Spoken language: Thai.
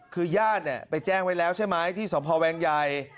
คือญาติไปแจ้งไว้แล้วใช่ไหมที่สพแวงใหญ่